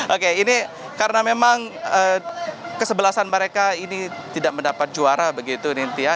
oke ini karena memang kesebelasan mereka ini tidak mendapat juara begitu nintia